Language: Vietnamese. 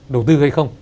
đầu tư hay không